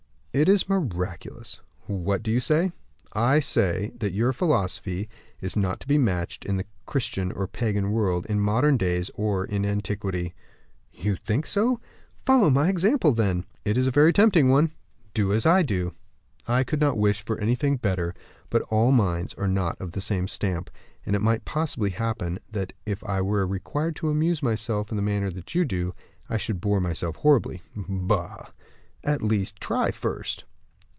"It is miraculous." "What do you say?" "I say, that your philosophy is not to be matched in the Christian or pagan world, in modern days or in antiquity!" "You think so? follow my example, then." "It is a very tempting one." "Do as I do." "I could not wish for anything better; but all minds are not of the same stamp; and it might possibly happen that if I were required to amuse myself in the manner you do, I should bore myself horribly." "Bah! at least try first."